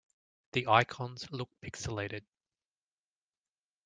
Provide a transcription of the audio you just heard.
The icons look pixelated.